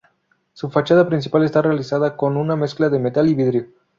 Su fachada principal está realizada con una mezcla de metal y vidrio.